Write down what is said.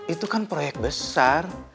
itu kan proyek besar